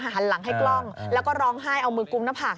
หันหลังให้กล้องแล้วก็ร้องไห้เอามือกุมหน้าผาก